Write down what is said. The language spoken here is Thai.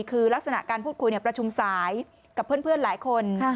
คือลักษณะการพูดคุยประชุมสายกับเพื่อนหลายคน